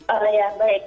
oh ya baik